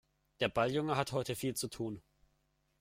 Der Balljunge hat heute viel zu tun.